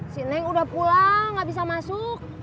si neng udah pulang gak bisa masuk